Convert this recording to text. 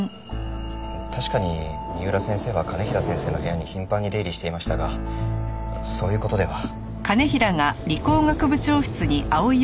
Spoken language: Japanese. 確かに三浦先生は兼平先生の部屋に頻繁に出入りしていましたがそういう事では。